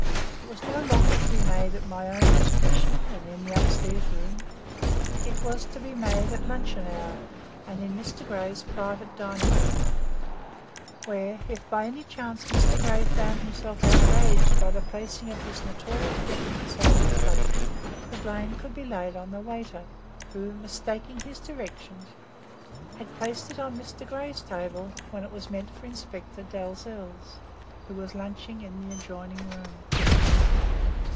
It was no longer to be made at my own discretion and in the up stairs room; it was to be made at luncheon hour and in Mr. Grey's private dining room, where, if by any chance Mr. Grey found himself outraged by the placing of this notorious weapon beside his plate, the blame could be laid on the waiter, who, mistaking his directions, had placed it on Mr. Grey's table when it was meant for Inspector Dalzell's, who was lunching in the adjoining room.